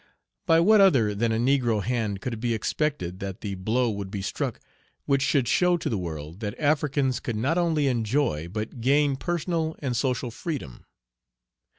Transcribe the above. By what other than a negro hand could it be expected that the blow would be struck which should show to the world that Africans could not only enjoy but gain personal and social freedom?